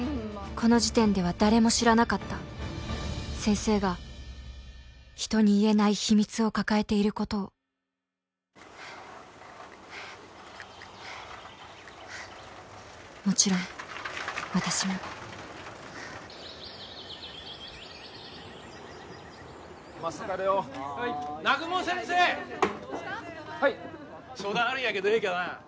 この時点では誰も知らなかった先生が人に言えない秘密を抱えていることをもちろん私もまっすぐ帰れよはい南雲先生はい相談あるんやけどええかな